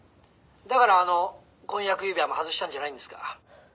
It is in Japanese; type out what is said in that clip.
「だからあの婚約指輪も外したんじゃないんですか？」